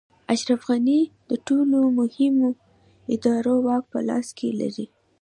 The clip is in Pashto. اشرف غني د ټولو مهمو ادارو واک په لاس کې لري.